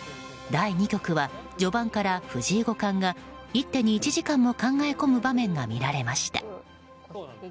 第２局は序盤から藤井五冠が１手に１時間も考え込む場面が見られました。